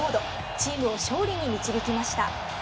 チームを勝利に導きました。